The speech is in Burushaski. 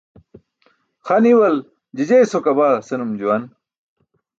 Xa niwal "jijey sokabaa" senum juwan.